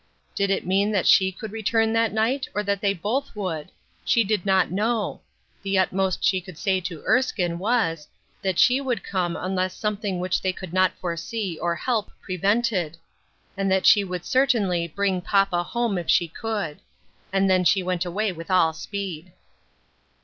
Did it mean that she could return that night or that they both would ? She did not know ; the utmost she could say to Erskine was, that she would come, unless something which they could not foresee, or help, prevented ; and that she would certainly " bring papa home " if she could. And then she went away with all speed.